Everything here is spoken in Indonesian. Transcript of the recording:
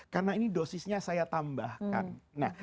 karena ini dosisnya saya tambahkan